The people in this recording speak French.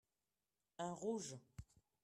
Un rouge.